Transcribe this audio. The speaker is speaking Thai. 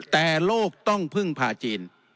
แต่โลกต้องพึ่งพาจีน